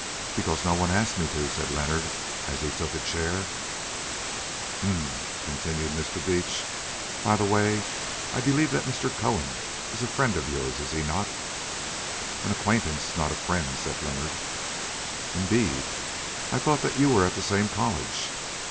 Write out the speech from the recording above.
"Because no one asked me to," said Leonard as he took a chair. "Hem!" continued Mr. Beach; "by the way I believe that Mr. Cohen is a friend of yours, is he not?" "An acquaintance, not a friend," said Leonard. "Indeed, I thought that you were at the same college."